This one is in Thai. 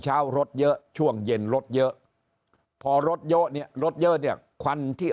เช้ารถเยอะช่วงเย็นรถเยอะพอรถเยอะเนี่ยรถเยอะเนี่ยควันที่